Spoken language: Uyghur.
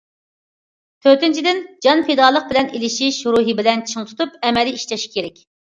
تۆتىنچىدىن،« جان پىدالىق بىلەن ئېلىشىش» روھى بىلەن چىڭ تۇتۇپ ئەمەلىي ئىشلەش كېرەك.